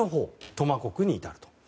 投馬国に至ると。